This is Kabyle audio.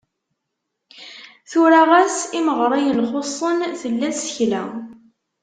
Tura ɣas imeɣriyen xuṣṣen, tella tsekla.